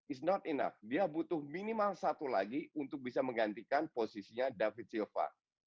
it's not enough dia butuh minimal satu lagi untuk bisa menggantikan posisinya david silva